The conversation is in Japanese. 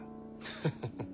ハハハハ！